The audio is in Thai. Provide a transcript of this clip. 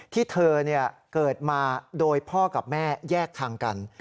ที่เธอเกิดมาโดยพ่อกับแม่แยกทางกัน